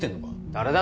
誰だ